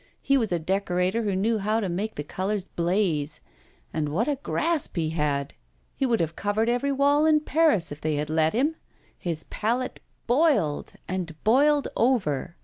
He was a decorator who knew how to make the colours blaze. And what a grasp he had! He would have covered every wall in Paris if they had let him; his palette boiled, and boiled over.